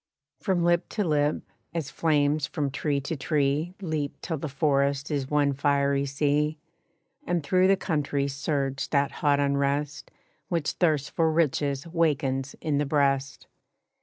From lip to lip, as flames from tree to tree Leap till the forest is one fiery sea, And through the country surged that hot unrest Which thirst for riches wakens in the breast.